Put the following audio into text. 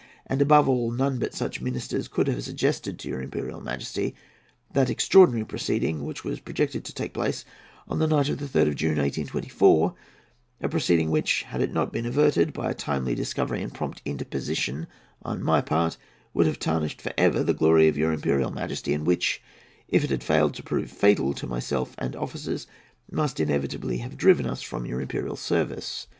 And, above all, none but such ministers could have suggested to your Imperial Majesty that extraordinary proceeding which was projected to take place on the night of the 3rd of June, 1824, a proceeding which, had it not been averted by a timely discovery and prompt interposition on my part, would have tarnished for ever the glory of your Imperial Majesty, and which, if it had failed to prove fatal to myself and officers, must inevitably have driven us from your imperial service.